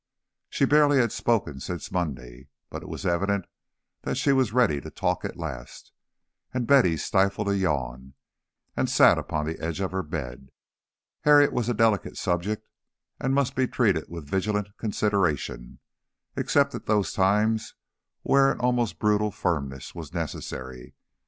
She barely had spoken since Monday; but it was evident that she was ready to talk at last, and Betty stifled a yawn and sat upon the edge of her bed. Harriet was a delicate subject and must be treated with vigilant consideration, except at those times where an almost brutal firmness was necessary.